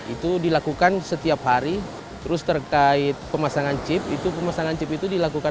itu dilakukan setiap hari terus terkait pemasangan chip itu pemasangan chip itu dilakukan